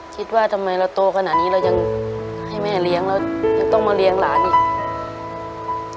คิดว่าทำไมเราโตขนาดนี้เรายังให้แม่เลี้ยงเรายังต้องมาเลี้ยงหลานอีก